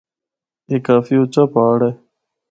اے کافی اُچّا پہاڑ ہے۔